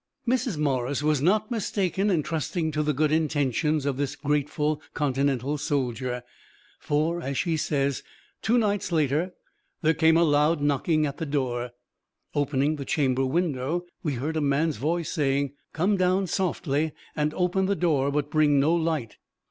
Mrs. Morris was not mistaken in trusting to the good intentions of this grateful Continental soldier, for, as she says, two nights later there came a loud knocking at the door: "Opening the chamber window, we heard a man's voice saying, 'Come down softly and open the door, but bring no light.'